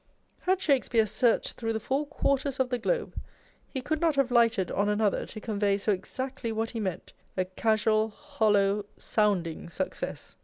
Had Shakespeare searched through the four quarters of the globe, he could not have lighted on another to convey so exactly what he meant â€" a casual, hollow, sounding success